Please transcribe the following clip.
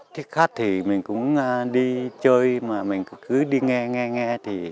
thích hát thì mình cũng đi chơi mà mình cứ đi nghe nghe nghe